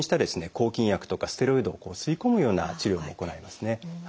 抗菌薬とかステロイドを吸い込むような治療も行いますね。